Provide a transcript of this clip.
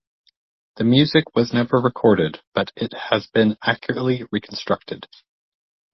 The music was never recorded, but it has been accurately reconstructed.